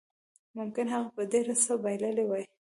ممکن هغه به ډېر څه بایللي وای